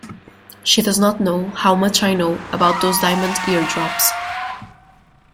She does not know how much I know about those diamond eardrops.